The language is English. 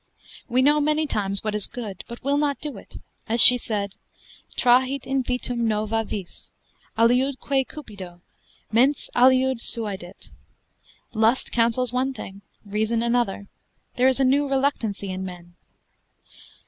We know many times what is good, but will not do it, as she said, Trahit invitum nova vis, aliudque cupido, Mens aliud suadet,——— Lust counsels one thing, reason another, there is a new reluctancy in men.